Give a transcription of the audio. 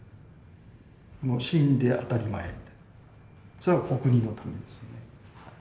もう死んで当たり前それはお国のためですよね。